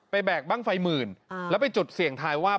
แบกบ้างไฟหมื่นแล้วไปจุดเสี่ยงทายว่า